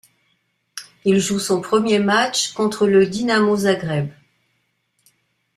Il joue son premier match contre le Dinamo Zagreb.